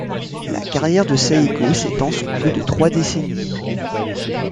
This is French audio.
La carrière de Saijō s'étend sur plus de trois décennies.